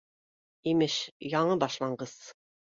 Имеш, яңы башланғыс